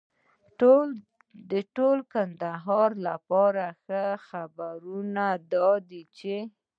د ټول کندهار لپاره ښه خبرونه دا دي چې